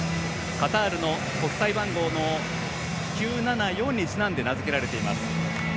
カタールの国際番号の９７４にちなんで名付けられています。